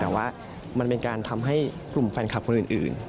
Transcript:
แต่ว่ามันเป็นการทำให้กลุ่มแฟนคลับคนอื่น